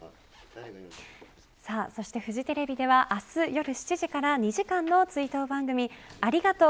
そしてフジテレビでは明日夜７時から２時間の追悼番組ありがとう！